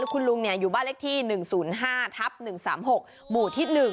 คุณลุงอยู่บ้านเลขที่๑๐๕ทับ๑๓๖หมู่ที่๑